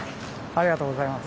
ありがとうございます。